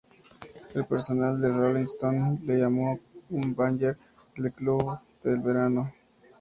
El personal de "Rolling Stone" lo llamó un "banger del club del verano.